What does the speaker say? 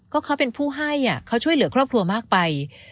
ก็เขาเป็นผู้ให้เขาช่วยเหลือครอบครัวมากไป